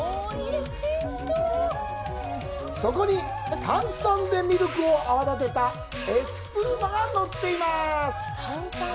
そこに、炭酸でミルクを泡立てたエスプーマがのっています。